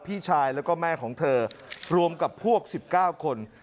พี่ชายแล้วก็แม่ของเธอรวมกับพวก๑๙คน